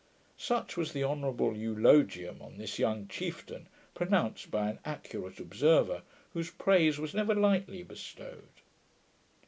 Such was the honourable elogium, on this young chieftain, pronounced by an accurate observer, whose praise was never lightly bestowed.